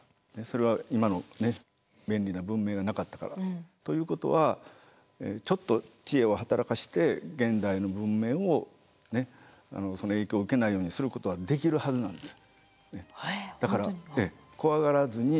それは今の便利な文明がなかったから。ということはちょっと知恵を働かせて現代の文明をその影響を受けないようにすることはできるはずなんです。